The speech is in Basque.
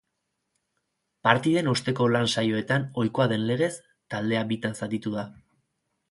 Partiden osteko lan saioetan ohikoa den legez, taldea bitan zatitu da.